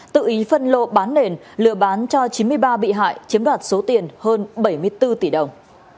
tự ý phân lô bán nền lừa bán cho chín mươi ba bị hại chiếm đoạt số tiền hơn bảy mươi bốn tỷ đồng